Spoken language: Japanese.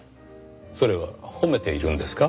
それは褒めているんですか？